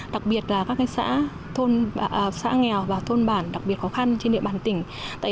đặc biệt là các xã nghèo và thôn bản đặc biệt khó khăn trên địa bàn tỉnh